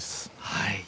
はい。